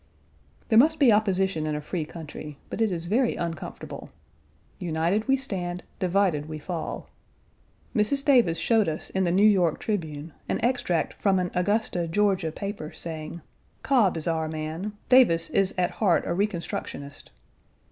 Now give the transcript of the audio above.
There must be opposition in a free country. But it is very uncomfortable. "United we stand, divided we fall." Mrs. Davis showed us in The New York Tribune an extract from an Augusta (Georgia) paper saying, "Cobb is our man. Davis is at heart a reconstructionist."